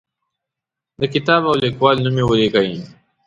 د کتاب او لیکوال نوم یې ولیکئ.